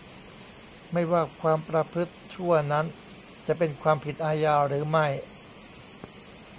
ไม่ว่าความประพฤติชั่วนั้นจะเป็นความผิดอาญาหรือไม่